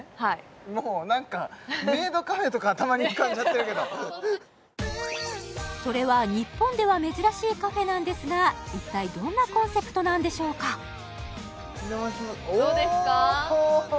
もうなんかはいメイドカフェとか頭に浮かんじゃってるけどそれは日本では珍しいカフェなんですが一体どんなコンセプトなんでしょうかお邪魔しまおほほどうですか？